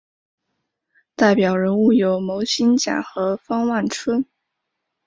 代表人物有牟兴甲和方万春。